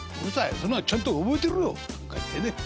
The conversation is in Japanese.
そんなんちゃんと覚えてるよ」なんか言ってね。